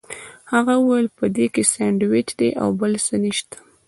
هغه وویل په دې کې ساندوېچ دي او بل څه نشته.